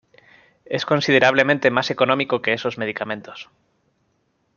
Es considerablemente más económico que esos medicamentos.